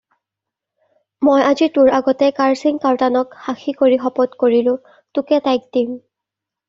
মই আজি তোৰ আগতে কাৰ্চিং কাৰ্টানক সাখী কৰি শপত কৰিলোঁ তোকে তাইক দিম।